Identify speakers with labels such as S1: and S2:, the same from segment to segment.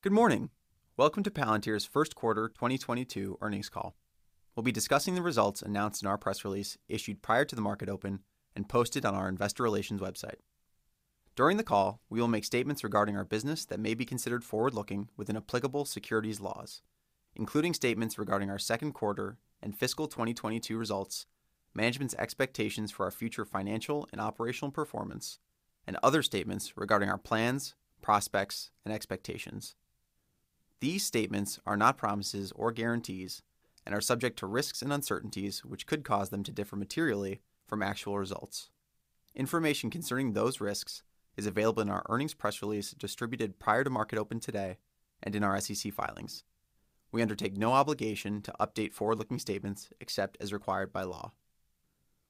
S1: Good morning. Welcome to Palantir's first quarter 2022 earnings call. We'll be discussing the results announced in our press release issued prior to the market open and posted on our investor relations website. During the call, we will make statements regarding our business that may be considered forward-looking within applicable securities laws, including statements regarding our second quarter and fiscal 2022 results, management's expectations for our future financial and operational performance, and other statements regarding our plans, prospects, and expectations. These statements are not promises or guarantees and are subject to risks and uncertainties which could cause them to differ materially from actual results. Information concerning those risks is available in our earnings press release distributed prior to market open today and in our SEC filings. We undertake no obligation to update forward-looking statements except as required by law.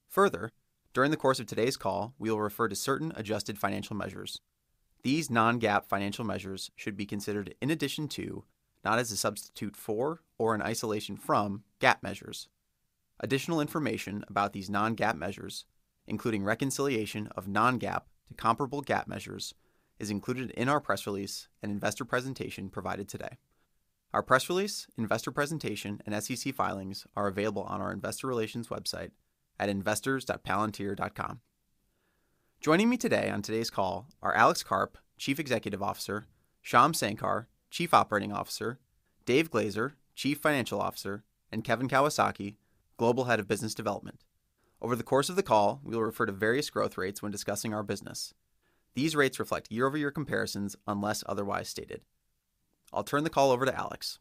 S1: Further, during the course of today's call, we will refer to certain adjusted financial measures. These non-GAAP financial measures should be considered in addition to, not as a substitute for, or in isolation from, GAAP measures. Additional information about these non-GAAP measures, including reconciliation of non-GAAP to comparable GAAP measures, is included in our press release and investor presentation provided today. Our press release, investor presentation, and SEC filings are available on our investor relations website at investors.palantir.com. Joining me today on today's call are Alex Karp, Chief Executive Officer, Shyam Sankar, Chief Operating Officer, Dave Glazer, Chief Financial Officer, and Kevin Kawasaki, Global Head of Business Development. Over the course of the call, we will refer to various growth rates when discussing our business. These rates reflect year-over-year comparisons unless otherwise stated. I'll turn the call over to Alex.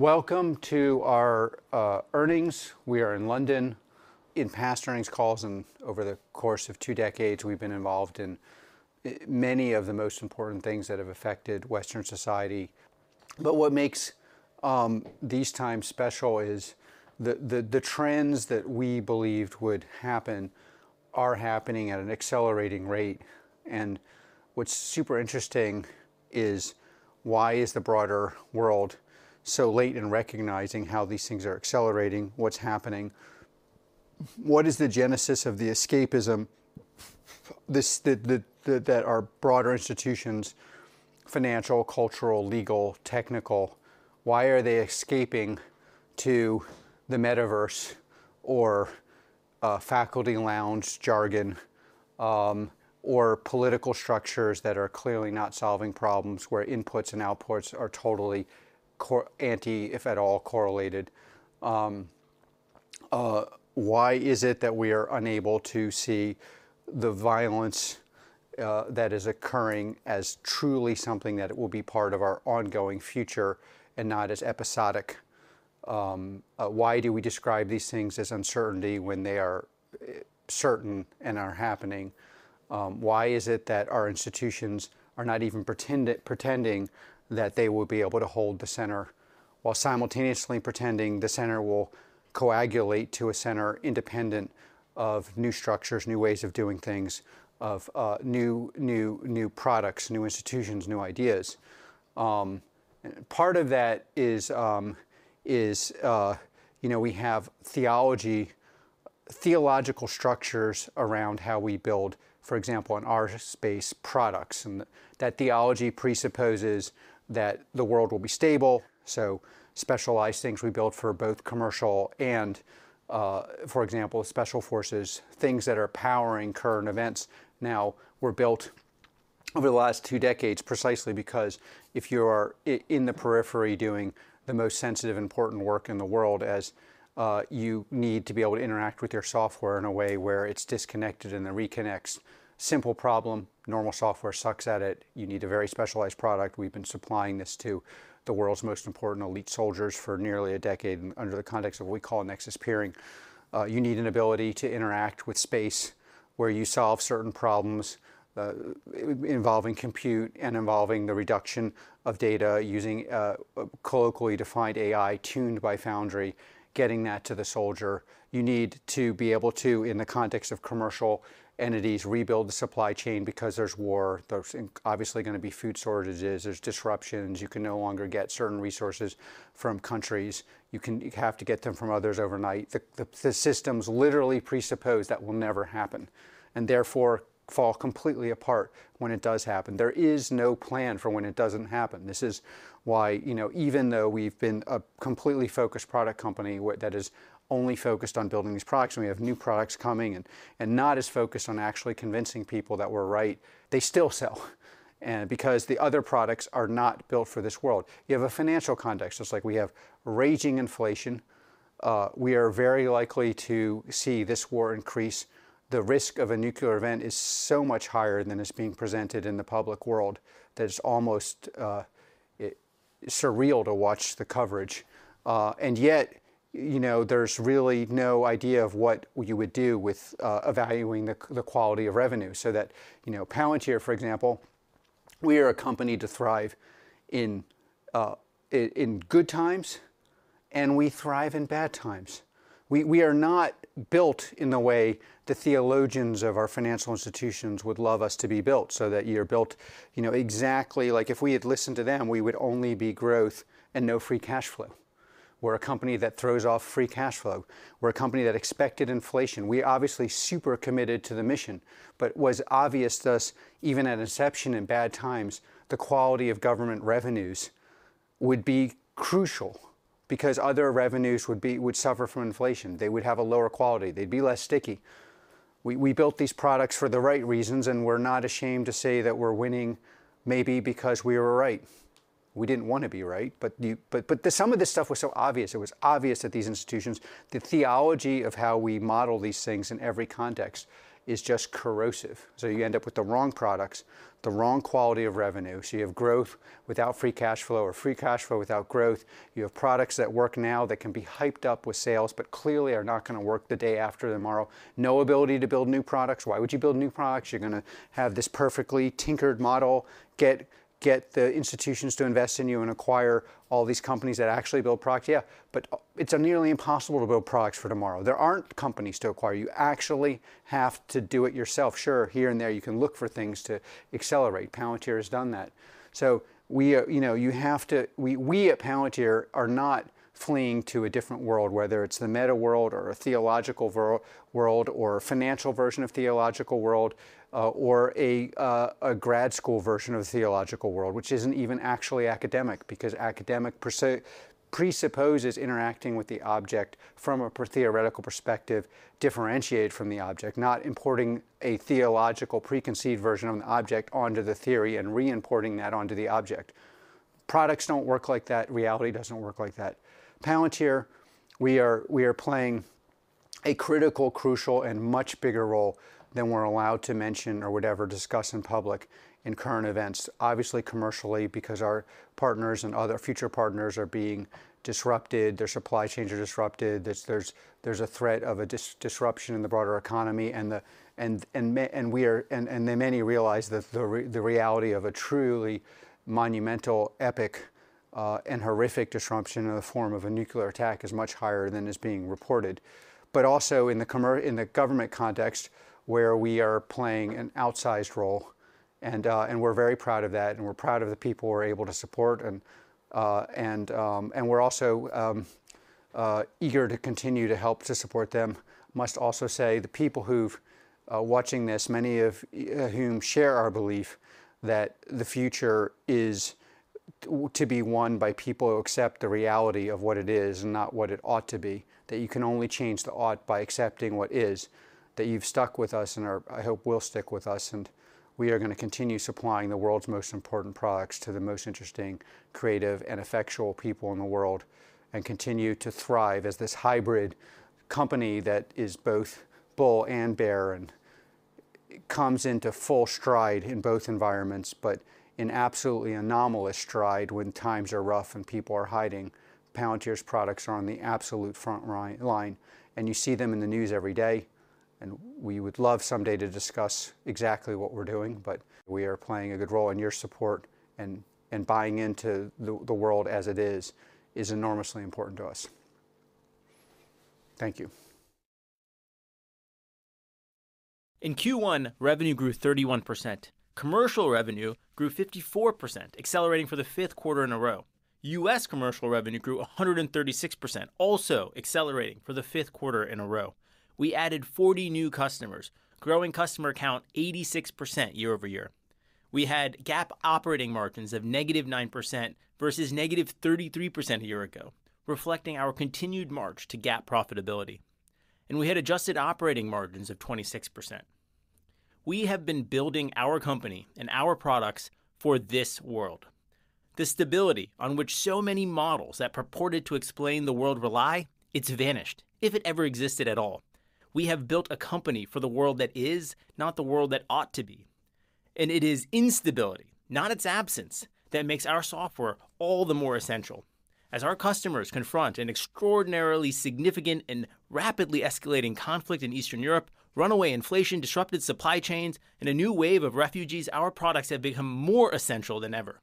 S2: Welcome to our earnings. We are in London. In past earnings calls and over the course of two decades, we've been involved in many of the most important things that have affected Western society. What makes these times special is the trends that we believed would happen are happening at an accelerating rate. What's super interesting is why is the broader world so late in recognizing how these things are accelerating, what's happening? What is the genesis of the escapism that our broader institutions, financial, cultural, legal, technical, why are they escaping to the metaverse or faculty lounge jargon or political structures that are clearly not solving problems where inputs and outputs are totally uncorrelated, if at all, correlated? Why is it that we are unable to see the violence that is occurring as truly something that will be part of our ongoing future and not as episodic? Why do we describe these things as uncertainty when they are certain and are happening? Why is it that our institutions are not even pretending that they will be able to hold the center while simultaneously pretending the center will coagulate to a center independent of new structures, new ways of doing things, of new products, new institutions, new ideas? Part of that is, you know, we have theological structures around how we build, for example, in our space products. That theology presupposes that the world will be stable, so specialized things we built for both commercial and, for example, special forces, things that are powering current events now were built over the last two decades precisely because if you're in the periphery doing the most sensitive, important work in the world as, you need to be able to interact with your software in a way where it's disconnected and then reconnects. Simple problem, normal software sucks at it. You need a very specialized product. We've been supplying this to the world's most important elite soldiers for nearly a decade under the context of what we call Nexus Peering. You need an ability to interact with space where you solve certain problems, involving compute and involving the reduction of data using, colloquially defined AI tuned by Foundry, getting that to the soldier. You need to be able to, in the context of commercial entities, rebuild the supply chain because there's war. There's obviously gonna be food shortages. There's disruptions. You can no longer get certain resources from countries. You have to get them from others overnight. The systems literally presuppose that will never happen, and therefore fall completely apart when it does happen. There is no plan for when it doesn't happen. This is why, you know, even though we've been a completely focused product company that is only focused on building these products, and we have new products coming and not as focused on actually convincing people that we're right, they still sell. Because the other products are not built for this world. You have a financial context. It's like we have raging inflation. We are very likely to see this war increase. The risk of a nuclear event is so much higher than is being presented in the public world that it's almost surreal to watch the coverage. Yet, you know, there's really no idea of what you would do with evaluating the quality of revenue so that, you know, Palantir, for example, we are a company to thrive in in good times, and we thrive in bad times. We are not built in the way the theologians of our financial institutions would love us to be built, so that you're built, you know, exactly like if we had listened to them, we would only be growth and no free cash flow. We're a company that throws off free cash flow. We're a company that expected inflation. We're obviously super committed to the mission, but it was obvious to us, even at inception in bad times, the quality of government revenues would be crucial because other revenues would suffer from inflation. They would have a lower quality. They'd be less sticky. We built these products for the right reasons, and we're not ashamed to say that we're winning maybe because we were right. We didn't wanna be right, but some of this stuff was so obvious. It was obvious that these institutions, the theology of how we model these things in every context is just corrosive. You end up with the wrong products, the wrong quality of revenue. You have growth without free cash flow or free cash flow without growth. You have products that work now that can be hyped up with sales, but clearly are not gonna work the day after tomorrow. No ability to build new products. Why would you build new products? You're gonna have this perfectly tinkered model, get the institutions to invest in you and acquire all these companies that actually build products. Yeah, but it's nearly impossible to build products for tomorrow. There aren't companies to acquire. You actually have to do it yourself. Sure, here and there, you can look for things to accelerate. Palantir has done that. We are, you know, you have to. We at Palantir are not fleeing to a different world, whether it's the meta world or a theological world, or a financial version of theological world, or a grad school version of theological world, which isn't even actually academic because academic presupposes interacting with the object from a theoretical perspective differentiated from the object, not importing a theological preconceived version of the object onto the theory and re-importing that onto the object. Products don't work like that. Reality doesn't work like that. Palantir, we are playing a critical, crucial, and much bigger role than we're allowed to mention or would ever discuss in public in current events, obviously commercially because our partners and other future partners are being disrupted, their supply chains are disrupted. There's a threat of a disruption in the broader economy. Many realize that the reality of a truly monumental, epic, and horrific disruption in the form of a nuclear attack is much higher than is being reported. Also in the government context where we are playing an outsized role and we're very proud of that, and we're proud of the people we're able to support and we're also eager to continue to help to support them. must also say to the people who are watching this, many of whom share our belief that the future is to be won by people who accept the reality of what it is and not what it ought to be, that you can only change the ought by accepting what is, that you've stuck with us and I hope will stick with us, and we are gonna continue supplying the world's most important products to the most interesting, creative, and effectual people in the world and continue to thrive as this hybrid company that is both bull and bear and comes into full stride in both environments, but in absolutely anomalous stride when times are rough and people are hiding. Palantir's products are on the absolute front line, and you see them in the news every day, and we would love someday to discuss exactly what we're doing, but we are playing a good role and your support and buying into the world as it is enormously important to us. Thank you.
S3: In Q1, revenue grew 31%. Commercial revenue grew 54%, accelerating for the fifth quarter in a row. US commercial revenue grew 136%, also accelerating for the fifth quarter in a row. We added 40 new customers, growing customer count 86% year over year. We had GAAP operating margins of -9% versus -33% a year ago, reflecting our continued march to GAAP profitability. We had adjusted operating margins of 26%. We have been building our company and our products for this world. The stability on which so many models that purported to explain the world rely, it's vanished, if it ever existed at all. We have built a company for the world that is, not the world that ought to be. It is instability, not its absence, that makes our software all the more essential. As our customers confront an extraordinarily significant and rapidly escalating conflict in Eastern Europe, runaway inflation, disrupted supply chains, and a new wave of refugees, our products have become more essential than ever.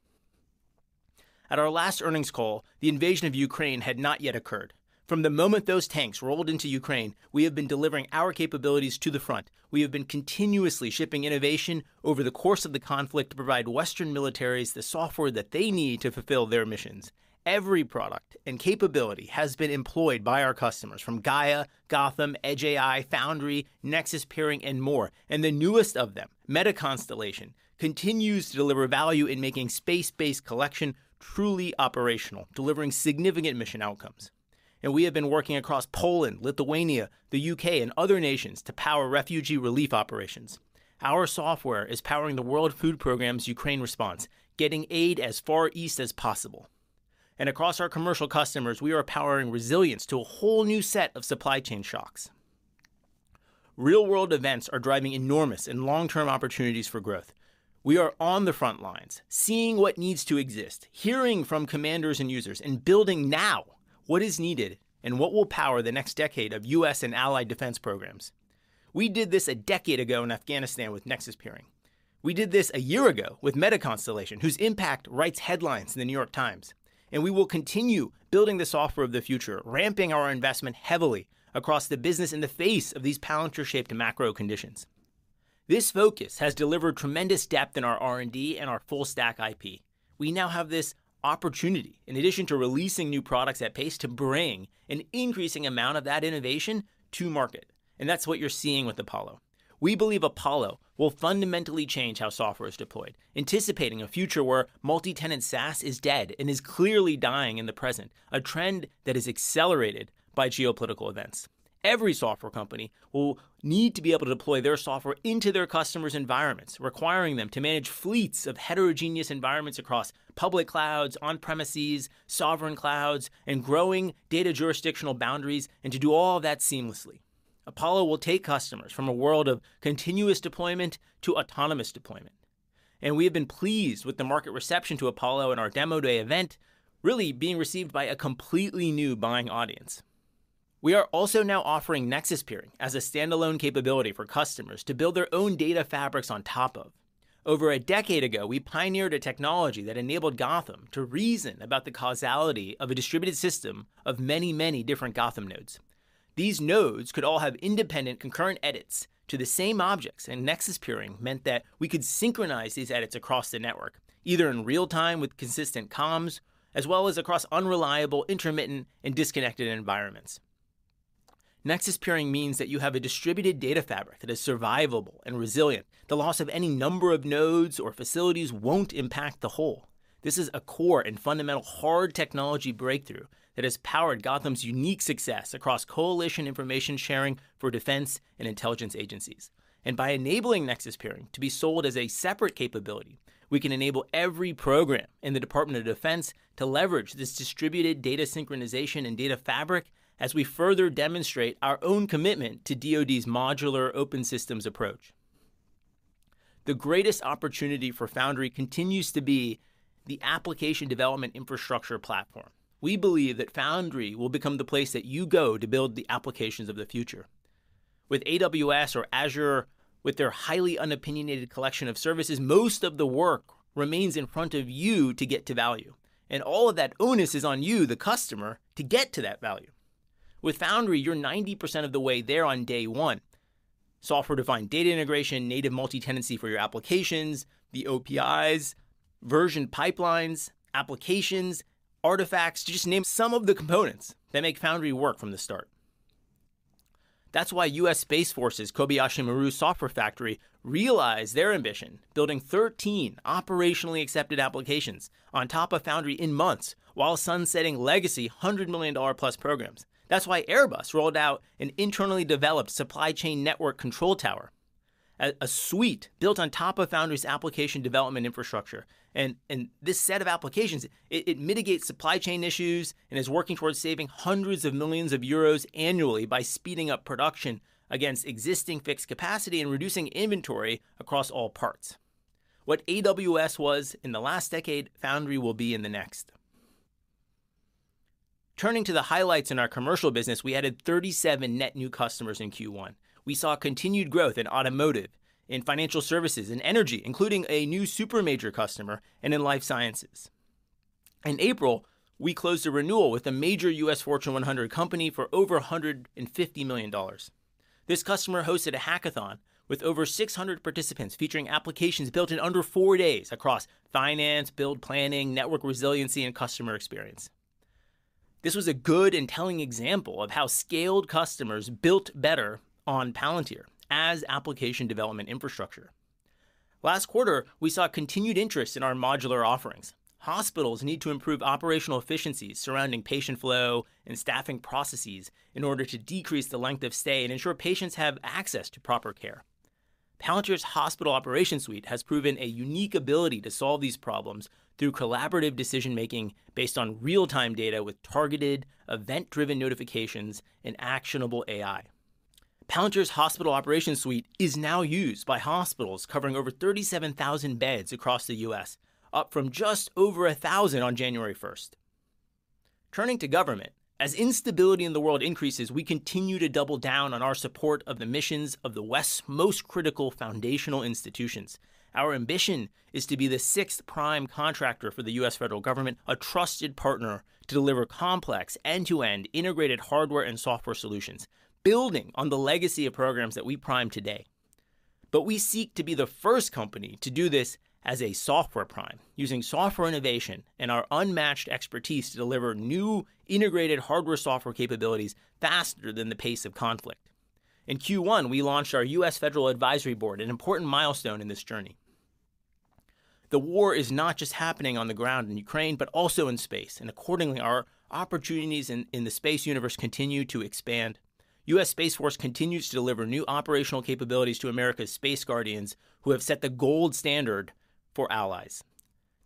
S3: At our last earnings call, the invasion of Ukraine had not yet occurred. From the moment those tanks rolled into Ukraine, we have been delivering our capabilities to the front. We have been continuously shipping innovation over the course of the conflict to provide Western militaries the software that they need to fulfill their missions. Every product and capability has been employed by our customers from Gaia, Gotham, Edge AI, Foundry, Nexus Peering, and more. The newest of them, MetaConstellation, continues to deliver value in making space-based collection truly operational, delivering significant mission outcomes. We have been working across Poland, Lithuania, the UK, and other nations to power refugee relief operations. Our software is powering the World Food Programme's Ukraine response, getting aid as far east as possible. Across our commercial customers, we are powering resilience to a whole new set of supply chain shocks. Real-world events are driving enormous and long-term opportunities for growth. We are on the front lines, seeing what needs to exist, hearing from commanders and users, and building now what is needed and what will power the next decade of U.S. and allied defense programs. We did this a decade ago in Afghanistan with Nexus Peering. We did this a year ago with MetaConstellation, whose impact writes headlines in The New York Times. We will continue building the software of the future, ramping our investment heavily across the business in the face of these Palantir-shaped macro conditions. This focus has delivered tremendous depth in our R&D and our full stack IP. We now have this opportunity, in addition to releasing new products at pace, to bring an increasing amount of that innovation to market, and that's what you're seeing with Apollo. We believe Apollo will fundamentally change how software is deployed, anticipating a future where multi-tenant SaaS is dead and is clearly dying in the present, a trend that is accelerated by geopolitical events. Every software company will need to be able to deploy their software into their customers' environments, requiring them to manage fleets of heterogeneous environments across public clouds, on-premises, sovereign clouds, and growing data jurisdictional boundaries, and to do all of that seamlessly. Apollo will take customers from a world of continuous deployment to autonomous deployment. We have been pleased with the market reception to Apollo at our Demo Day event really being received by a completely new buying audience. We are also now offering Nexus Peering as a standalone capability for customers to build their own data fabrics on top of. Over a decade ago, we pioneered a technology that enabled Gotham to reason about the causality of a distributed system of many, many different Gotham nodes. These nodes could all have independent concurrent edits to the same objects, and Nexus Peering meant that we could synchronize these edits across the network, either in real time with consistent comms, as well as across unreliable, intermittent, and disconnected environments. Nexus Peering means that you have a distributed data fabric that is survivable and resilient. The loss of any number of nodes or facilities won't impact the whole. This is a core and fundamental hard technology breakthrough that has powered Gotham's unique success across coalition information sharing for defense and intelligence agencies. By enabling Nexus Peering to be sold as a separate capability, we can enable every program in the Department of Defense to leverage this distributed data synchronization and data fabric as we further demonstrate our own commitment to DoD's modular open systems approach. The greatest opportunity for Foundry continues to be the application development infrastructure platform. We believe that Foundry will become the place that you go to build the applications of the future. With AWS or Azure, with their highly unopinionated collection of services, most of the work remains in front of you to get to value. All of that onus is on you, the customer, to get to that value. With Foundry, you're 90% of the way there on day one. Software-defined data integration, native multi-tenancy for your applications, the OPIs, version pipelines, applications, artifacts, to just name some of the components that make Foundry work from the start. That's why US Space Force's Kobayashi Maru Software Factory realized their ambition, building 13 operationally accepted applications on top of Foundry in months while sunsetting legacy $100 million-plus programs. That's why Airbus rolled out an internally developed supply chain network control tower. A suite built on top of Foundry's application development infrastructure and this set of applications. It mitigates supply chain issues and is working towards saving hundreds of millions of EUR annually by speeding up production against existing fixed capacity and reducing inventory across all parts. What AWS was in the last decade, Foundry will be in the next. Turning to the highlights in our commercial business, we added 37 net new customers in Q1. We saw continued growth in automotive, in financial services and energy, including a new super major customer and in life sciences. In April, we closed a renewal with a major U.S. Fortune 100 company for over $150 million. This customer hosted a hackathon with over 600 participants featuring applications built in under four days across finance, build planning, network resiliency, and customer experience. This was a good and telling example of how scaled customers built better on Palantir as application development infrastructure. Last quarter, we saw continued interest in our modular offerings. Hospitals need to improve operational efficiencies surrounding patient flow and staffing processes in order to decrease the length of stay and ensure patients have access to proper care. Palantir's Hospital Operations Suite has proven a unique ability to solve these problems through collaborative decision-making based on real-time data with targeted event-driven notifications and actionable AI. Palantir's Hospital Operations Suite is now used by hospitals covering over 37,000 beds across the U.S., up from just over 1,000 on January first. Turning to government, as instability in the world increases, we continue to double down on our support of the missions of the West's most critical foundational institutions. Our ambition is to be the sixth prime contractor for the U.S. federal government, a trusted partner to deliver complex end-to-end integrated hardware and software solutions, building on the legacy of programs that we prime today. We seek to be the first company to do this as a software prime, using software innovation and our unmatched expertise to deliver new integrated hardware software capabilities faster than the pace of conflict. In Q1, we launched our Palantir Federal Advisory Board, an important milestone in this journey. The war is not just happening on the ground in Ukraine, but also in space, and accordingly, our opportunities in the space universe continue to expand. US Space Force continues to deliver new operational capabilities to America's space guardians who have set the gold standard for allies.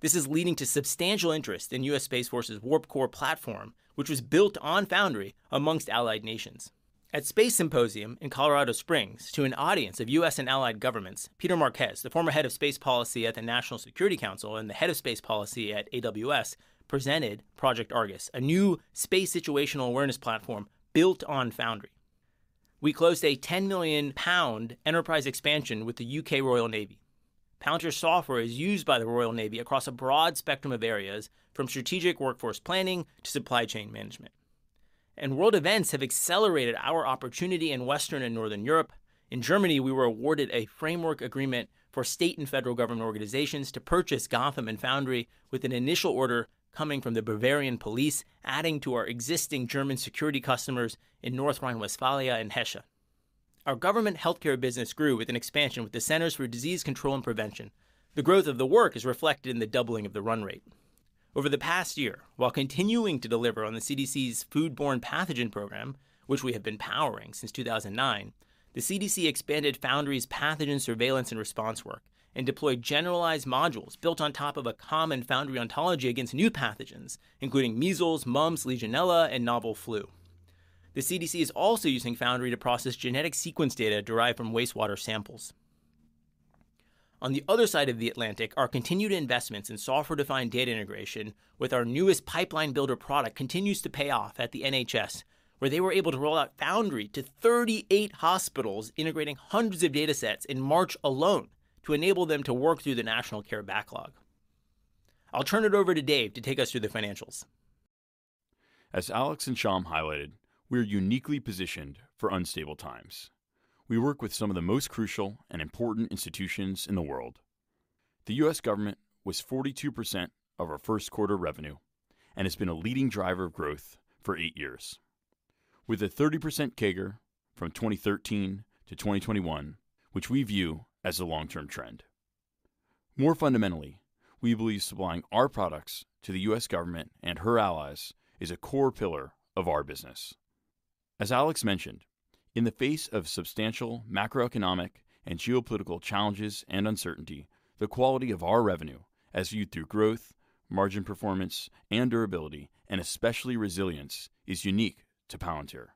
S3: This is leading to substantial interest in U.S. Space Force's Warp Core platform, which was built on Foundry amongst allied nations. At Space Symposium in Colorado Springs, to an audience of U.S. and allied governments, Peter Marquez, the former head of space policy at the National Security Council and the head of space policy at AWS, presented Project Argus, a new space situational awareness platform built on Foundry. We closed a 10 million pound enterprise expansion with the U.K. Royal Navy. Palantir's software is used by the Royal Navy across a broad spectrum of areas from strategic workforce planning to supply chain management. World events have accelerated our opportunity in Western and Northern Europe. In Germany, we were awarded a framework agreement for state and federal government organizations to purchase Gotham and Foundry, with an initial order coming from the Bavarian police, adding to our existing German security customers in North Rhine-Westphalia and Hesse. Our government healthcare business grew with an expansion with the Centers for Disease Control and Prevention. The growth of the work is reflected in the doubling of the run rate. Over the past year, while continuing to deliver on the CDC's foodborne pathogen program, which we have been powering since 2009, the CDC expanded Foundry's pathogen surveillance and response work and deployed generalized modules built on top of a common Foundry ontology against new pathogens, including measles, mumps, Legionella, and novel flu. The CDC is also using Foundry to process genetic sequence data derived from wastewater samples. On the other side of the Atlantic, our continued investments in software-defined data integration with our newest Pipeline Builder product continues to pay off at the NHS, where they were able to roll out Foundry to 38 hospitals, integrating hundreds of datasets in March alone to enable them to work through the national care backlog. I'll turn it over to Dave to take us through the financials.
S4: As Alex and Shyam highlighted, we're uniquely positioned for unstable times. We work with some of the most crucial and important institutions in the world. The U.S. government was 42% of our first quarter revenue and has been a leading driver of growth for eight years, with a 30% CAGR from 2013 to 2021, which we view as a long-term trend. More fundamentally, we believe supplying our products to the U.S. government and her allies is a core pillar of our business. As Alex mentioned, in the face of substantial macroeconomic and geopolitical challenges and uncertainty, the quality of our revenue, as viewed through growth, margin performance, and durability, and especially resilience, is unique to Palantir.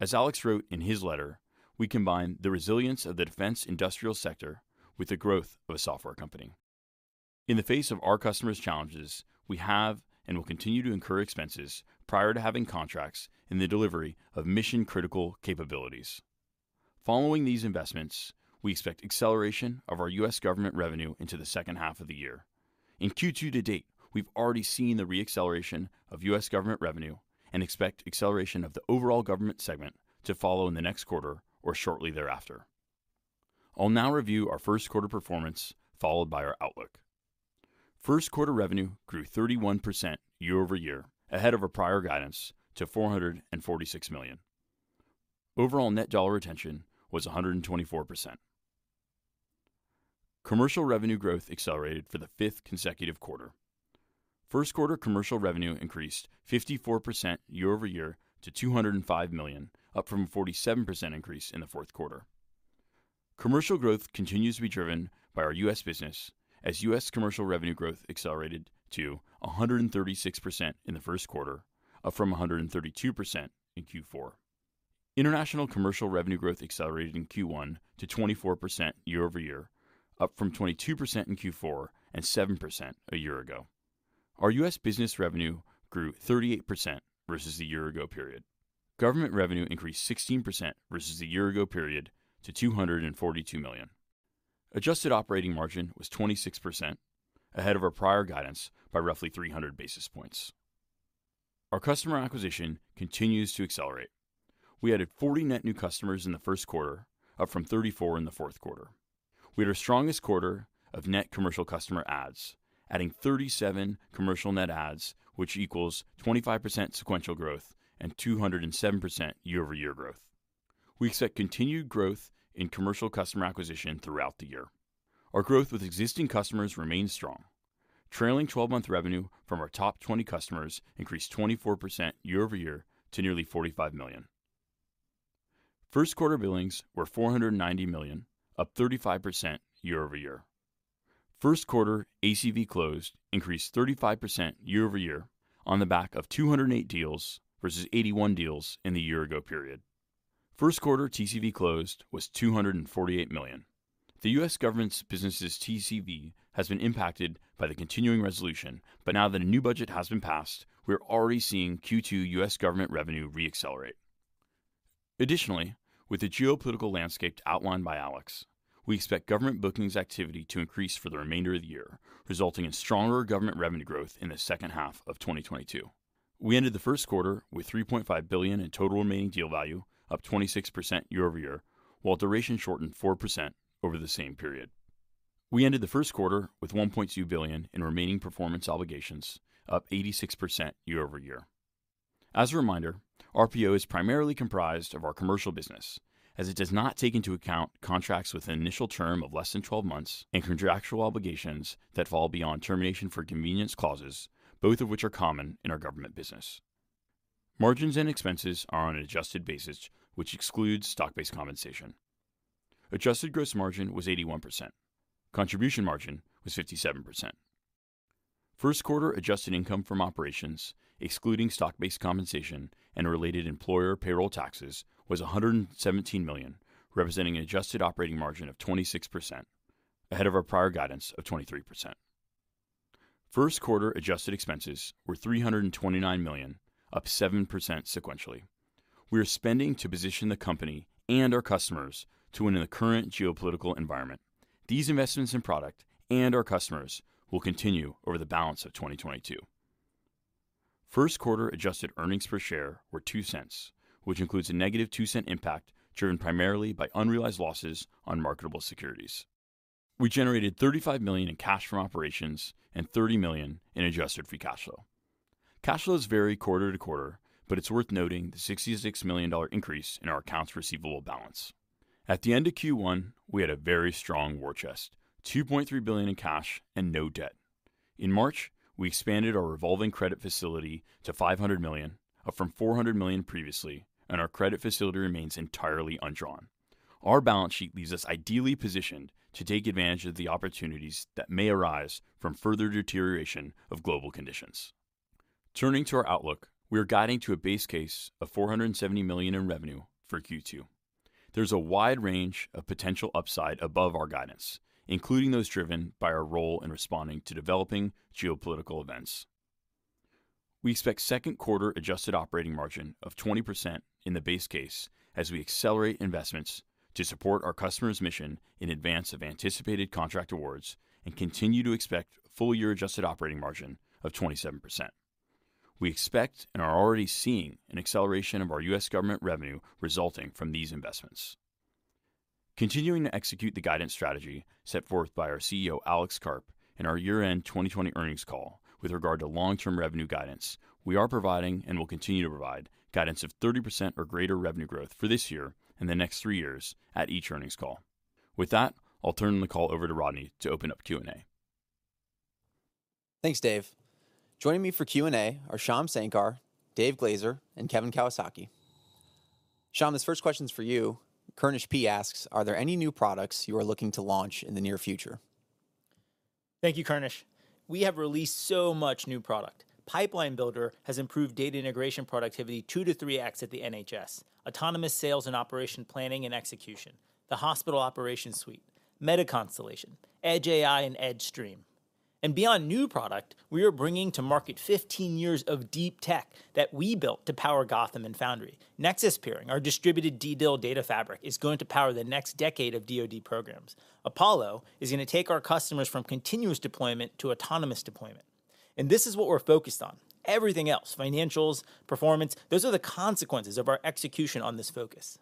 S4: As Alex wrote in his letter, we combine the resilience of the defense industrial sector with the growth of a software company. In the face of our customers' challenges, we have and will continue to incur expenses prior to having contracts in the delivery of mission-critical capabilities. Following these investments, we expect acceleration of our U.S. government revenue into the second half of the year. In Q2 to date, we've already seen the re-acceleration of U.S. government revenue and expect acceleration of the overall government segment to follow in the next quarter or shortly thereafter. I'll now review our first quarter performance, followed by our outlook. First quarter revenue grew 31% year-over-year, ahead of our prior guidance to 446 million. Overall net dollar retention was 124%. Commercial revenue growth accelerated for the fifth consecutive quarter. First quarter commercial revenue increased 54% year-over-year to 205 million, up from a 47% increase in the fourth quarter. Commercial growth continues to be driven by our U.S. business as U.S. commercial revenue growth accelerated to 136% in the first quarter, up from 132% in Q4. International commercial revenue growth accelerated in Q1 to 24% year-over-year, up from 22% in Q4 and 7% a year ago. Our U.S. business revenue grew 38% versus the year ago period. Government revenue increased 16% versus the year ago period to 242 million. Adjusted operating margin was 26%, ahead of our prior guidance by roughly 300 basis points. Our customer acquisition continues to accelerate. We added 40 net new customers in the first quarter, up from 34 in the fourth quarter. We had our strongest quarter of net commercial customer adds, adding 37 commercial net adds, which equals 25% sequential growth and 207% year-over-year growth. We expect continued growth in commercial customer acquisition throughout the year. Our growth with existing customers remains strong. Trailing twelve-month revenue from our top 20 customers increased 24% year-over-year to nearly 45 million. First quarter billings were 490 million, up 35% year-over-year. First quarter ACV closed increased 35% year-over-year on the back of 208 deals versus 81 deals in the year-ago period. First quarter TCV closed was 248 million. The U.S. government's business's TCV has been impacted by the continuing resolution. Now that a new budget has been passed, we're already seeing Q2 U.S. government revenue re-accelerate. Additionally, with the geopolitical landscape outlined by Alex, we expect government bookings activity to increase for the remainder of the year, resulting in stronger government revenue growth in the second half of 2022. We ended the first quarter with 3.5 billion in total remaining deal value, up 26% year-over-year, while duration shortened 4% over the same period. We ended the first quarter with 1.2 billion in remaining performance obligations, up 86% year-over-year. As a reminder, RPO is primarily comprised of our commercial business, as it does not take into account contracts with an initial term of less than 12 months and contractual obligations that fall beyond termination for convenience clauses, both of which are common in our government business. Margins and expenses are on an adjusted basis, which excludes stock-based compensation. Adjusted gross margin was 81%. Contribution margin was 57%. First quarter adjusted income from operations, excluding stock-based compensation and related employer payroll taxes, was 117 million, representing an adjusted operating margin of 26%, ahead of our prior guidance of 23%. First quarter adjusted expenses were 329 million, up 7% sequentially. We are spending to position the company and our customers to win in the current geopolitical environment. These investments in product and our customers will continue over the balance of 2022. First quarter adjusted earnings per share were 0.02, which includes a -0.02 impact driven primarily by unrealized losses on marketable securities. We generated 35 million in cash from operations and 30 million in adjusted free cash flow. Cash flows vary quarter to quarter, but it's worth noting the $66 million increase in our accounts receivable balance. At the end of Q1, we had a very strong war chest, 2.3 billion in cash and no debt. In March, we expanded our revolving credit facility to 500 million, up from 400 million previously, and our credit facility remains entirely undrawn. Our balance sheet leaves us ideally positioned to take advantage of the opportunities that may arise from further deterioration of global conditions. Turning to our outlook, we are guiding to a base case of 470 million in revenue for Q2. There's a wide range of potential upside above our guidance, including those driven by our role in responding to developing geopolitical events. We expect second quarter adjusted operating margin of 20% in the base case as we accelerate investments to support our customer's mission in advance of anticipated contract awards and continue to expect full year adjusted operating margin of 27%. We expect and are already seeing an acceleration of our U.S. government revenue resulting from these investments. Continuing to execute the guidance strategy set forth by our CEO, Alex Karp, in our year-end 2020 earnings call with regard to long-term revenue guidance, we are providing and will continue to provide guidance of 30% or greater revenue growth for this year and the next three years at each earnings call. With that, I'll turn the call over to Rodney to open up Q&A.
S1: Thanks, Dave. Joining me for Q&A are Shyam Sankar, Dave Glazer, and Kevin Kawasaki. Shyam, this first question is for you. Kaushik Ram asks, "Are there any new products you are looking to launch in the near future?
S3: Thank you, Kaushik Ram. We have released so much new product. Pipeline Builder has improved data integration productivity 2-3x at the NHS. Autonomous sales and operations planning and execution, the Hospital Operations Suite, MetaConstellation, Edge AI, and Edgestream. Beyond new product, we are bringing to market 15 years of deep tech that we built to power Gotham and Foundry. Nexus Peering, our distributed DDIL data fabric, is going to power the next decade of DoD programs. Apollo is gonna take our customers from continuous deployment to autonomous deployment. This is what we're focused on. Everything else, financials, performance, those are the consequences of our execution on this focus.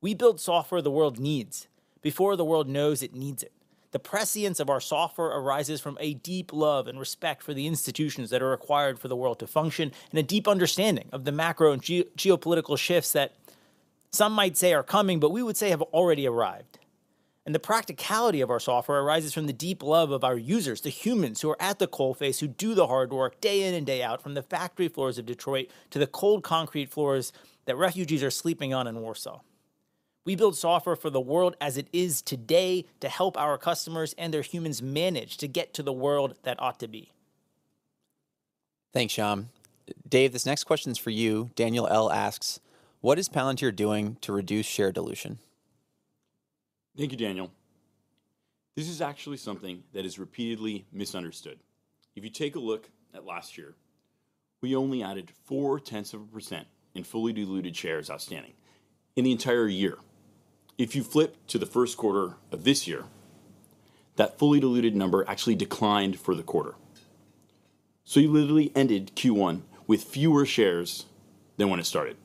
S3: We build software the world needs before the world knows it needs it. The prescience of our software arises from a deep love and respect for the institutions that are required for the world to function and a deep understanding of the macro and geopolitical shifts that some might say are coming, but we would say have already arrived. The practicality of our software arises from the deep love of our users, the humans who are at the coal face, who do the hard work day in and day out from the factory floors of Detroit to the cold concrete floors that refugees are sleeping on in Warsaw. We build software for the world as it is today to help our customers and their humans manage to get to the world that ought to be.
S1: Thanks, Shyam. Dave, this next question is for you. Daniel Ives asks, "What is Palantir doing to reduce share dilution?
S4: Thank you, Daniel. This is actually something that is repeatedly misunderstood. If you take a look at last year, we only added 0.4% in fully diluted shares outstanding in the entire year. If you flip to the first quarter of this year, that fully diluted number actually declined for the quarter. You literally ended Q1 with fewer shares than when it started.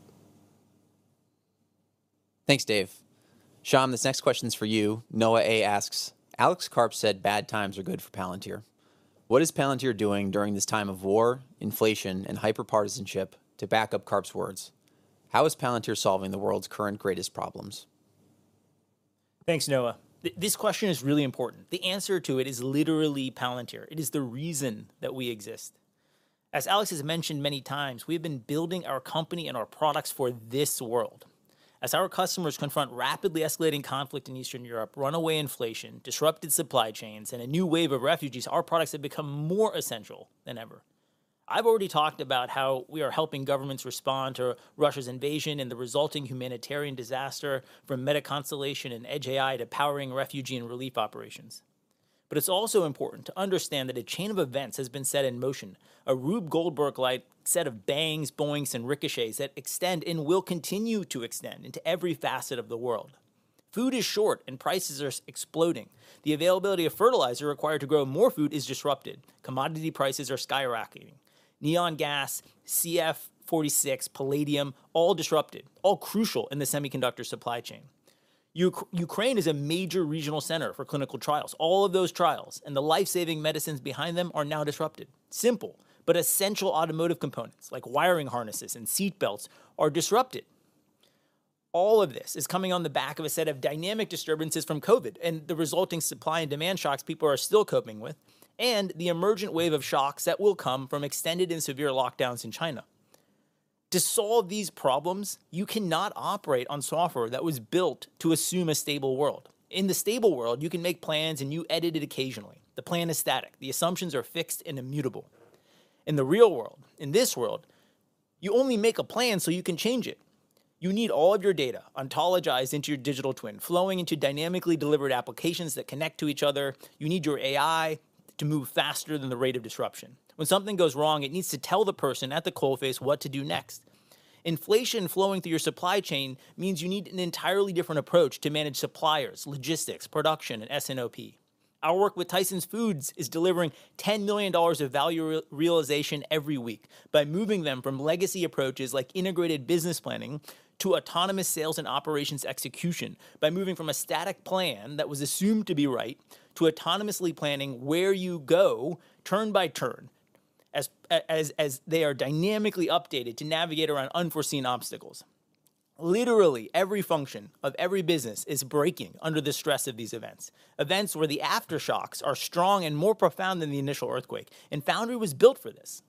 S1: Thanks, Dave. Shyam, this next question's for you. Noah Poponak asks, "Alex Karp said bad times are good for Palantir. What is Palantir doing during this time of war, inflation, and hyper-partisanship to back up Karp's words? How is Palantir solving the world's current greatest problems?
S3: Thanks, Noah. This question is really important. The answer to it is literally Palantir. It is the reason that we exist. As Alex has mentioned many times, we have been building our company and our products for this world. As our customers confront rapidly escalating conflict in Eastern Europe, runaway inflation, disrupted supply chains, and a new wave of refugees, our products have become more essential than ever. I've already talked about how we are helping governments respond to Russia's invasion and the resulting humanitarian disaster from MetaConstellation and Edge AI to powering refugee and relief operations. But it's also important to understand that a chain of events has been set in motion, a Rube Goldberg-like set of bangs, boings, and ricochets that extend and will continue to extend into every facet of the world. Food is short, and prices are exploding. The availability of fertilizer required to grow more food is disrupted. Commodity prices are skyrocketing. Neon gas, C4F6, palladium, all disrupted, all crucial in the semiconductor supply chain. Ukraine is a major regional center for clinical trials. All of those trials and the life-saving medicines behind them are now disrupted. Simple but essential automotive components like wiring harnesses and seat belts are disrupted. All of this is coming on the back of a set of dynamic disturbances from COVID and the resulting supply and demand shocks people are still coping with and the emergent wave of shocks that will come from extended and severe lockdowns in China. To solve these problems, you cannot operate on software that was built to assume a stable world. In the stable world, you can make plans, and you edit it occasionally. The plan is static. The assumptions are fixed and immutable. In the real world, in this world, you only make a plan so you can change it. You need all of your data ontologized into your digital twin, flowing into dynamically delivered applications that connect to each other. You need your AI to move faster than the rate of disruption. When something goes wrong, it needs to tell the person at the coal face what to do next. Inflation flowing through your supply chain means you need an entirely different approach to manage suppliers, logistics, production, and S&OP. Our work with Tyson Foods is delivering $10 million of value re-realization every week by moving them from legacy approaches like integrated business planning to autonomous sales and operations execution. By moving from a static plan that was assumed to be right to autonomously planning where you go turn by turn as they are dynamically updated to navigate around unforeseen obstacles. Literally every function of every business is breaking under the stress of these events. Events where the aftershocks are strong and more profound than the initial earthquake, and Foundry was built for this.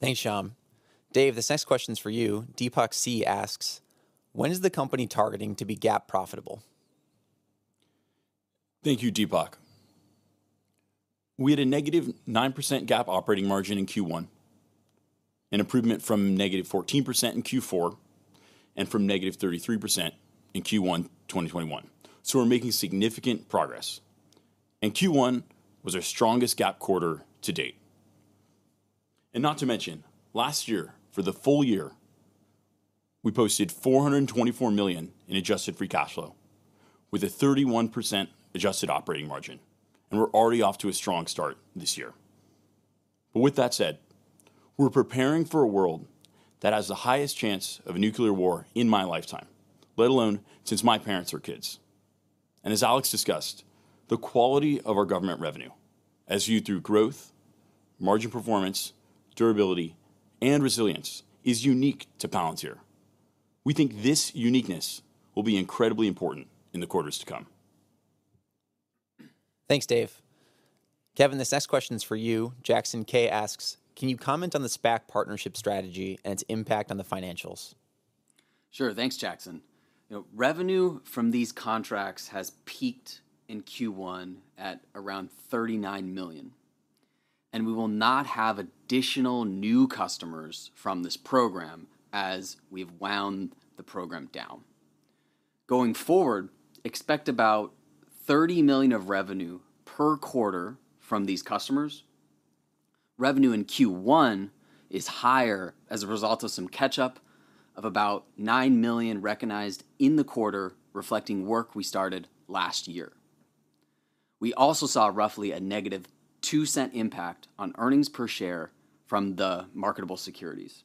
S1: Thanks, Shyam. Dave, this next question is for you. Deepak asks, "When is the company targeting to be GAAP profitable?
S4: Thank you, Deepak. We had a negative 9% GAAP operating margin in Q1, an improvement from negative 14% in Q4 and from negative 33% in Q1 2021. We're making significant progress. Q1 was our strongest GAAP quarter to date. Not to mention, last year, for the full year, we posted 424 million in adjusted free cash flow with a 31% adjusted operating margin. We're already off to a strong start this year. With that said, we're preparing for a world that has the highest chance of a nuclear war in my lifetime, let alone since my parents were kids. As Alex discussed, the quality of our government revenue, as viewed through growth, margin performance, durability, and resilience, is unique to Palantir. We think this uniqueness will be incredibly important in the quarters to come.
S1: Thanks, Dave. Kevin, this next question is for you. Jackson Ader asks, "Can you comment on the SPAC partnership strategy and its impact on the financials?
S5: Sure. Thanks, Jackson. You know, revenue from these contracts has peaked in Q1 at around $39 million, and we will not have additional new customers from this program as we've wound the program down. Going forward, expect about 30 million of revenue per quarter from these customers. Revenue in Q1 is higher as a result of some catch-up of about nine million recognized in the quarter reflecting work we started last year. We also saw roughly a negative 0.02 impact on earnings per share from the marketable securities.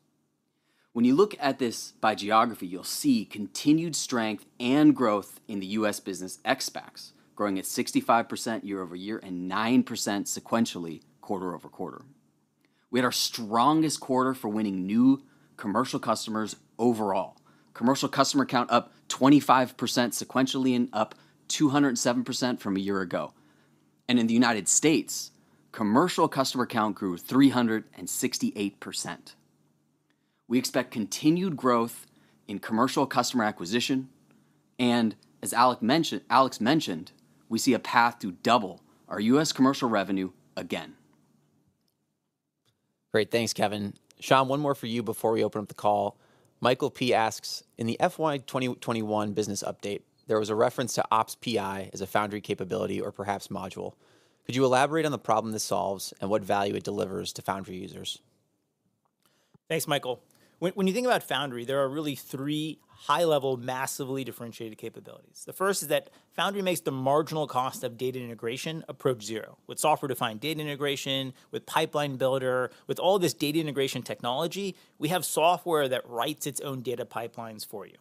S5: When you look at this by geography, you'll see continued strength and growth in the US business ex-SPACs, growing at 65% year-over-year and 9% sequentially quarter-over-quarter. We had our strongest quarter for winning new commercial customers overall. Commercial customer count up 25% sequentially and up 207% from a year ago. In the United States, commercial customer count grew 368%. We expect continued growth in commercial customer acquisition, and as Alex mentioned, we see a path to double our U.S. commercial revenue again.
S1: Great. Thanks, Kevin. Shyam, one more for you before we open up the call.
S3: Thanks, Michael. When you think about Foundry, there are really three high-level, massively differentiated capabilities. The first is that Foundry makes the marginal cost of data integration approach zero. With software-defined data integration, with Pipeline Builder, with all this data integration technology, we have software that writes its own data pipelines for you.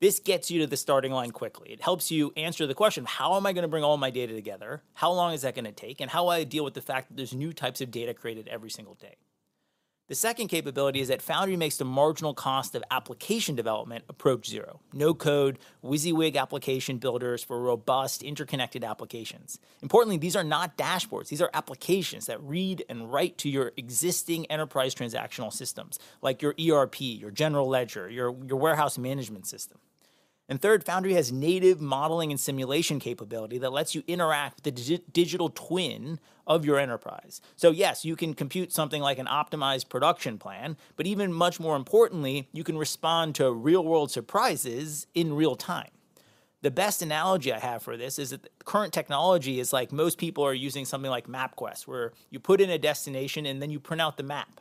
S3: This gets you to the starting line quickly. It helps you answer the question, "How am I gonna bring all my data together? How long is that gonna take, and how will I deal with the fact that there's new types of data created every single day?" The second capability is that Foundry makes the marginal cost of application development approach zero. No code, WYSIWYG application builders for robust, interconnected applications. Importantly, these are not dashboards. These are applications that read and write to your existing enterprise transactional systems, like your ERP, your general ledger, your warehouse management system. Third, Foundry has native modeling and simulation capability that lets you interact with the digital twin of your enterprise. Yes, you can compute something like an optimized production plan, but even much more importantly, you can respond to real-world surprises in real time. The best analogy I have for this is that current technology is like most people are using something like MapQuest, where you put in a destination, and then you print out the map.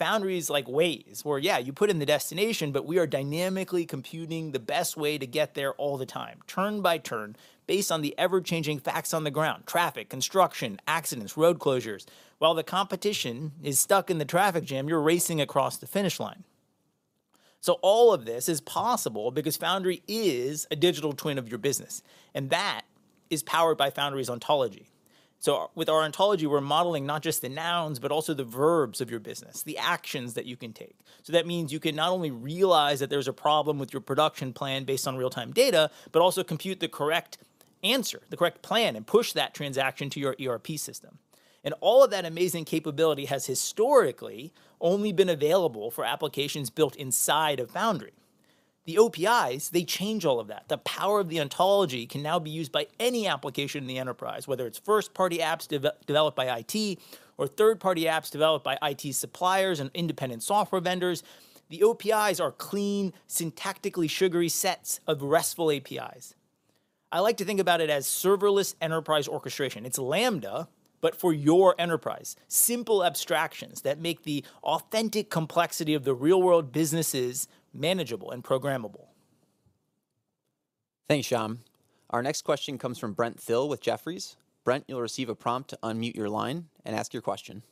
S3: Foundry is like Waze, where, yeah, you put in the destination, but we are dynamically computing the best way to get there all the time, turn by turn, based on the ever-changing facts on the ground, traffic, construction, accidents, road closures. While the competition is stuck in the traffic jam, you're racing across the finish line. All of this is possible because Foundry is a digital twin of your business, and that is powered by Foundry's ontology. With our ontology, we're modeling not just the nouns, but also the verbs of your business, the actions that you can take. That means you can not only realize that there's a problem with your production plan based on real-time data, but also compute the correct answer, the correct plan, and push that transaction to your ERP system. All of that amazing capability has historically only been available for applications built inside of Foundry. The OPIs, they change all of that. The power of the ontology can now be used by any application in the enterprise, whether it's first-party apps developed by IT or third-party apps developed by IT suppliers and independent software vendors. The OPIs are clean, syntactically sugary sets of RESTful APIs. I like to think about it as serverless enterprise orchestration. It's Lambda, but for your enterprise. Simple abstractions that make the authentic complexity of the real-world businesses manageable and programmable.
S1: Thanks, Shyam. Our next question comes from Brent Thill with Jefferies. Brent, you'll receive a prompt to unmute your line and ask your question.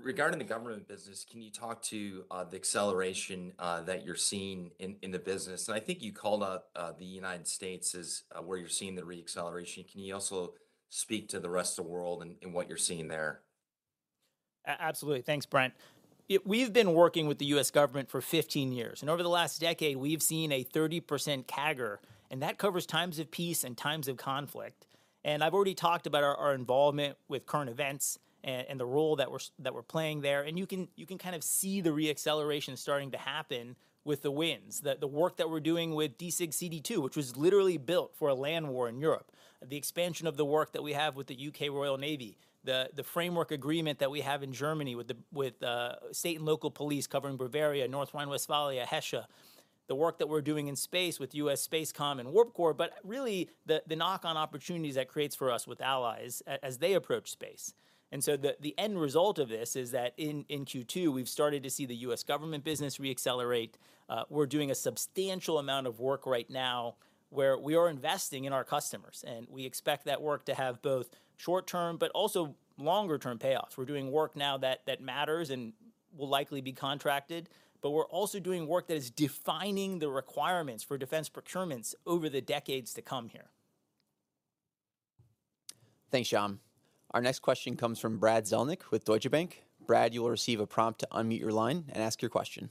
S6: Regarding the government business, can you talk to the acceleration that you're seeing in the business? I think you called out the United States as where you're seeing the re-acceleration. Can you also speak to the rest of the world and what you're seeing there?
S3: Absolutely. Thanks, Brent. We've been working with the U.S. government for 15 years, and over the last decade we've seen a 30% CAGR, and that covers times of peace and times of conflict. I've already talked about our involvement with current events and the role that we're playing there. You can kind of see the re-acceleration starting to happen with the wins. The work that we're doing with DCGS-A CD2, which was literally built for a land war in Europe. The expansion of the work that we have with the U.K. Royal Navy, the framework agreement that we have in Germany with the state and local police covering Bavaria, North Rhine-Westphalia, Hesse. The work that we're doing in space with U.S. SPACECOM and Warp Core, but really the knock on opportunities that creates for us with allies as they approach space. The end result of this is that in Q2, we've started to see the U.S. government business re-accelerate. We're doing a substantial amount of work right now where we are investing in our customers, and we expect that work to have both short-term but also longer-term payoffs. We're doing work now that matters and will likely be contracted, but we're also doing work that is defining the requirements for defense procurements over the decades to come here.
S1: Thanks, Shyam. Our next question comes from Brad Zelnick with Deutsche Bank. Brad, you will receive a prompt to unmute your line and ask your question.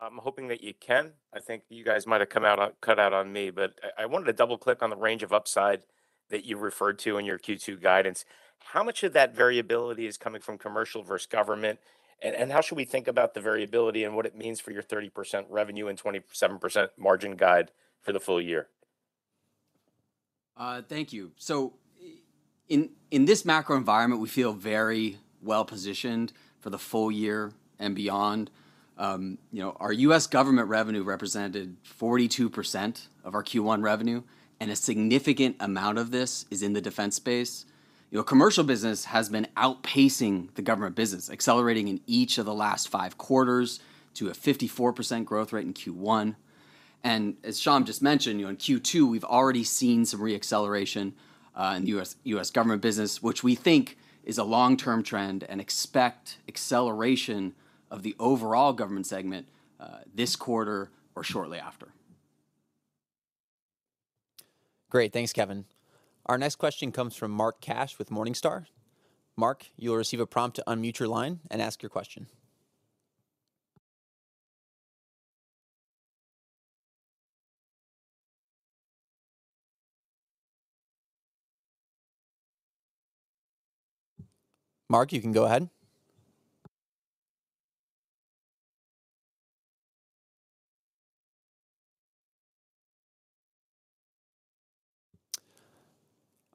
S7: I'm hoping that you can. I think you guys might have cut out on me. I wanted to double-click on the range of upside that you referred to in your Q2 guidance. How much of that variability is coming from commercial versus government? And how should we think about the variability and what it means for your 30% revenue and 27% margin guide for the full year?
S5: Thank you. In this macro environment, we feel very well-positioned for the full year and beyond. You know, our US government revenue represented 42% of our Q1 revenue, and a significant amount of this is in the defense space. You know, commercial business has been outpacing the government business, accelerating in each of the last five quarters to a 54% growth rate in Q1. As Shyam just mentioned, you know, in Q2, we've already seen some re-acceleration in US government business, which we think is a long-term trend and expect acceleration of the overall government segment this quarter or shortly after.
S1: Great. Thanks, Kevin. Our next question comes from Mark Cash with Morningstar. Mark, you will receive a prompt to unmute your line and ask your question. Mark, you can go ahead.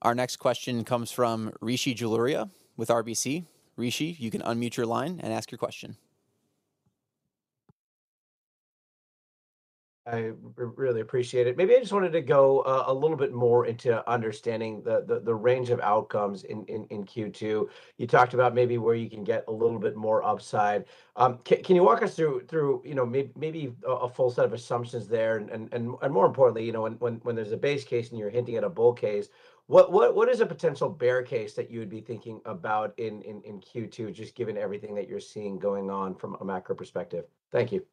S1: Our next question comes from Rishi Jaluria with RBC. Rishi, you can unmute your line and ask your question.
S8: I really appreciate it. Maybe I just wanted to go a little bit more into understanding the range of outcomes in Q2. You talked about maybe where you can get a little bit more upside. Can you walk us through, you know, maybe a full set of assumptions there? More importantly, you know, when there's a base case and you're hinting at a bull case, what is a potential bear case that you would be thinking about in Q2, just given everything that you're seeing going on from a macro perspective? Thank you.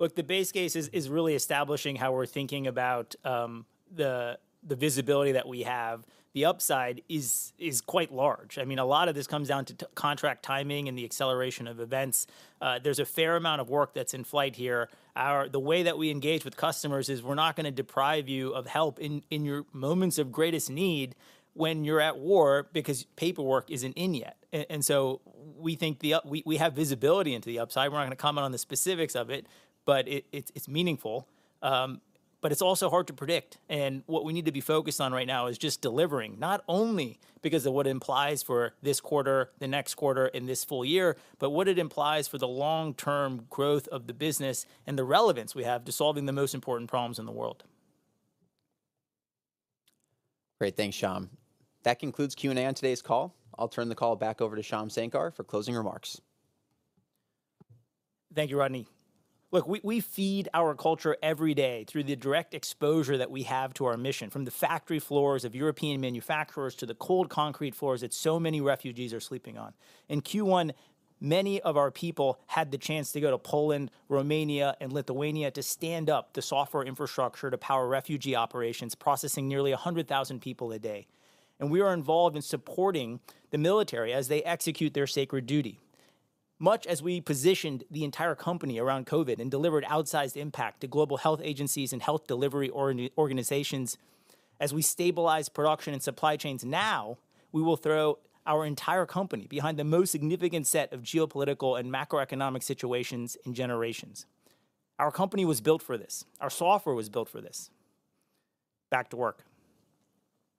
S3: Look, the base case is really establishing how we're thinking about the visibility that we have. The upside is quite large. I mean, a lot of this comes down to contract timing and the acceleration of events. There's a fair amount of work that's in flight here. The way that we engage with customers is we're not gonna deprive you of help in your moments of greatest need when you're at war because paperwork isn't in yet. We think we have visibility into the upside. We're not gonna comment on the specifics of it, but it's meaningful. It's also hard to predict. What we need to be focused on right now is just delivering, not only because of what it implies for this quarter, the next quarter, and this full year, but what it implies for the long-term growth of the business and the relevance we have to solving the most important problems in the world.
S1: Great. Thanks, Shyam. That concludes Q&A on today's call. I'll turn the call back over to Shyam Sankar for closing remarks.
S3: Thank you, Rodney. Look, we feed our culture every day through the direct exposure that we have to our mission, from the factory floors of European manufacturers to the cold concrete floors that so many refugees are sleeping on. In Q1, many of our people had the chance to go to Poland, Romania, and Lithuania to stand up the software infrastructure to power refugee operations, processing nearly 100,000 people a day. We are involved in supporting the military as they execute their sacred duty. Much as we positioned the entire company around COVID and delivered outsized impact to global health agencies and health delivery organizations, as we stabilize production and supply chains now, we will throw our entire company behind the most significant set of geopolitical and macroeconomic situations in generations. Our company was built for this. Our software was built for this. Back to work.